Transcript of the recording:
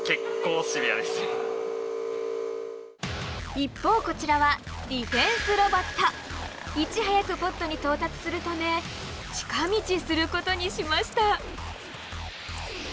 一方こちらはいち早くポットに到達するため近道することにしました。